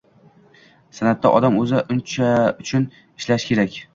San’atda odam o‘zi uchun ishlashi kerak.